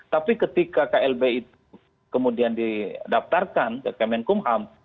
tapi ketika klb itu kemudian didaftarkan ke kemenkumham